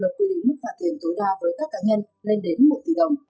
luật quy định mức phạt tiền tối đa với các cá nhân lên đến một tỷ đồng